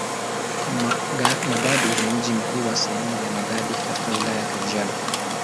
Magadi ni mji mkuu wa sehemu ya Magadi katika Wilaya ya Kajiado.